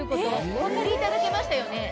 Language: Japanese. お分かりいただけましたよね？